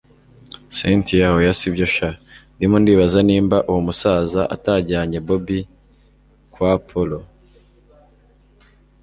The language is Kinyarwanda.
cyntia hoya sibyo sha! ndimo ndibaza nimba uwomusaza atajyanye bobi kwa appolo